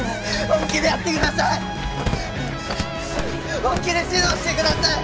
本気で指導してください！